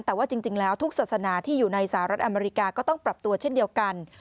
แต่ว่าจริงแล้วทุกศาสนาที่อยู่ในสหรัฐอเมริกาก็ต้องปรับตัวเช่นเดียวกัน